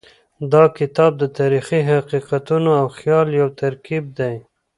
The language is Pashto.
دا کتاب د تاریخي حقیقتونو او خیال یو ترکیب دی.